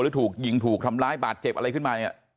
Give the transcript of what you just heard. หรือถูกหยิงถูกทำร้ายบาดเจ็บอะไรขึ้นมา